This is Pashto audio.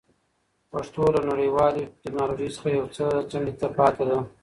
پښتو له نړیوالې ټکنالوژۍ څخه یو څه څنډې ته پاتې ده.